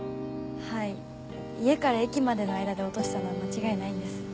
はい家から駅までの間で落としたのは間違いないんです。